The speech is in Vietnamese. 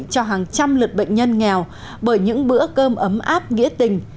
cho hàng trăm lượt bệnh nhân nghèo bởi những bữa cơm ấm áp nghĩa tình